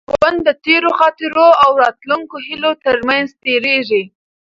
ژوند د تېرو خاطرو او راتلونکو هیلو تر منځ تېرېږي.